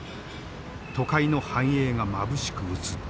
都会の繁栄がまぶしく映った。